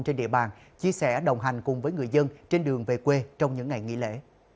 trên địa bàn chia sẻ đồng hành cùng với người dân trên đường về quê trong những ngày nghỉ lễ